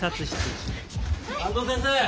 安藤先生